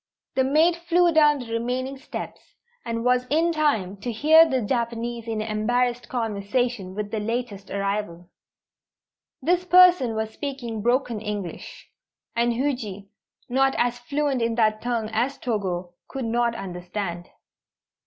The maid flew down the remaining steps, and was in time to hear the Japanese in embarrassed conversation with the latest arrival. This person was speaking broken English, and Huji, not as fluent in that tongue as Togo, could not understand.